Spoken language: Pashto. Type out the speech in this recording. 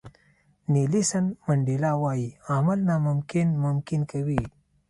نیلسن منډیلا وایي عمل ناممکن ممکن کوي.